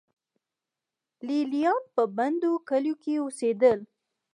لې لیان په بندو کلیو کې اوسېدل.